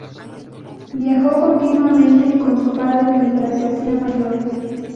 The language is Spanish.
Viajó continuamente con su padre mientras se hacía mayor.